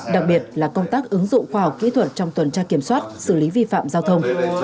đặc biệt là công tác ứng dụng khoa học kỹ thuật trong tuần tra kiểm soát xử lý vi phạm giao thông